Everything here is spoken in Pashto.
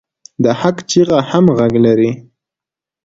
د حق چیغه هم غږ لري